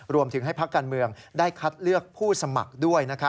รวมถึงให้พักการเมืองได้คัดเลือกผู้สมัครด้วย